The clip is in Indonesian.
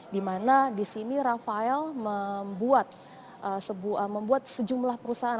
di mana di sini rafael membuat sejumlah perusahaan